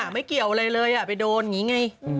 ไม่เกี่ยวอะไรเลยไปโดนอย่างนี้ไง